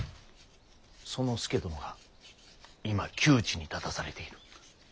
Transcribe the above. その佐殿が今窮地に立たされている。